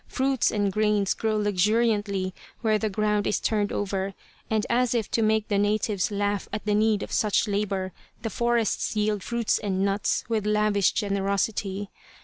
Fruits and grains grow luxuriantly where the ground is turned over, and as if to make the natives laugh at the need of such labour the forests yield fruits and nuts with lavish generosity.